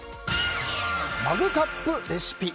マグカップレシピ。